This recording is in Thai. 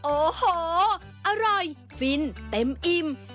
โอ้โหอร่อยฟินเต็มอิ่ม